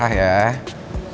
kamu jangan marah ya